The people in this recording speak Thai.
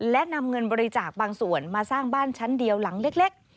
และนำเงินบริจาคบางส่วนมาสร้างบ้านชั้นเดียวหลังเล็ก